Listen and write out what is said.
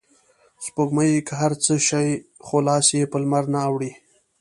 سپوږمۍ که هر څه شي خو لاس یې په لمرنه اوړي